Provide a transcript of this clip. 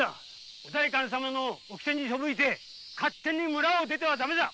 お代官様の掟に背いて勝手に村を出てはダメだ！